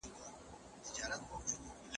د ټولنپوه کړنلاره تحليلي بڼه لري.